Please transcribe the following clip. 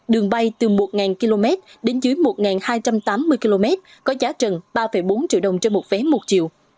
đường bay từ một km đến dưới một hai trăm tám mươi km có giá trần ba bốn triệu đồng trên một vé một chiều